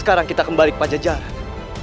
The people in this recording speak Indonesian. sekarang kita kembali ke pajajaran